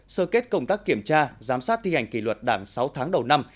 sơ kết công tác kiểm tra giám sát thi hành kỷ luật đảng sáu tháng đầu năm